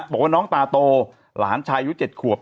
บอกว่าน้องตาโตหลานชายอายุ๗ขวบ